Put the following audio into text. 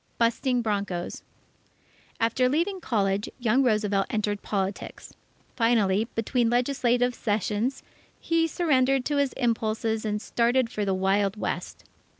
Busting Broncos After leaving college, young Roosevelt entered politics. Finally, between legislative sessions, he surrendered to his impulses and started for the Wild West.